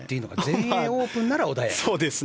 全英オープンならば穏やか。